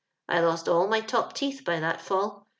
I lost all my top teeth by that fall.